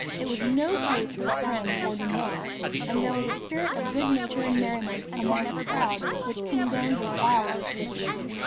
It was no place for the prim or demure, and there was a spirit of good nature and merriment among the crowd which condoned the wildest liberty.